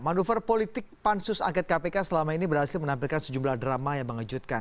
manuver politik pansus angket kpk selama ini berhasil menampilkan sejumlah drama yang mengejutkan